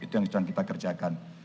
itu yang kita kerjakan